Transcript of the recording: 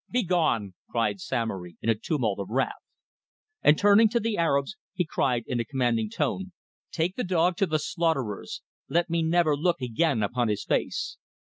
"Begone!" cried Samory, in a tumult of wrath. And turning to the Arabs he cried in a commanding tone: "Take the dog to the slaughterers. Let me never look again upon his face."